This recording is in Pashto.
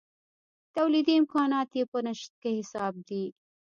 تولیدي امکانات یې په نشت حساب دي.